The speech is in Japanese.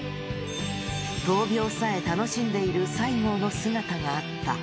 闘病さえ楽しんでいる西郷の姿があった。